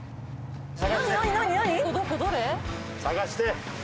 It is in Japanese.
探して。